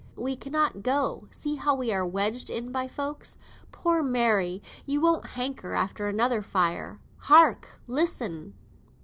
"We cannot go! See how we are wedged in by folks. Poor Mary! ye won't hanker after a fire again. Hark! listen!"